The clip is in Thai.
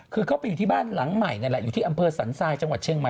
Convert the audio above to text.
คือเขาไปอยู่ที่บ้านหลังใหม่นั่นแหละอยู่ที่อำเภอสันทรายจังหวัดเชียงใหม่